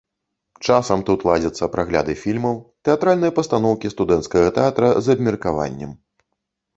Часам тут ладзяцца прагляды фільмаў, тэатральныя пастаноўкі студэнцкага тэатра з абмеркаваннем.